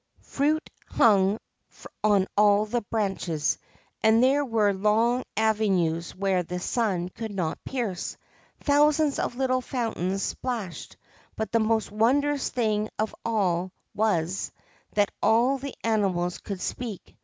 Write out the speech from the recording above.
Fruit THE GREEN SERPENT hung on all the branches ; and there were long avenues where the sun could not pierce ; thousands of little fountains splashed, but the most wonderful thing of all was, that all the animals could speak.